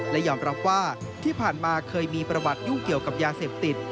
และยอมรับว่าที่ผ่านมาเคยมีประวัติยุ่งเกี่ยวกับยาเสพติด